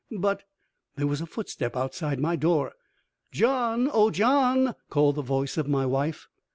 "But " There was a footstep outside my door. "John! Oh, John!" called the voice of my wife.